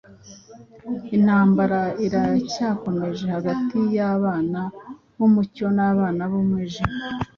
Intambara iracyakomeje hagati y’abana b’umucyo n’abana b’umwijima.